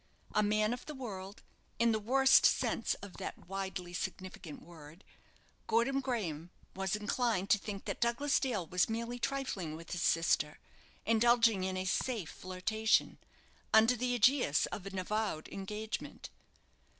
A man of the world, in the worst sense of that widely significant word, Gordon Graham was inclined to think that Douglas Dale was merely trifling with his sister, indulging in a "safe" flirtation, under the aegis of an avowed engagement.